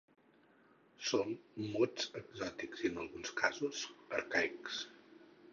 Són mots exòtics i, en alguns casos, arcaics.